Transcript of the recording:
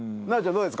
どうですか？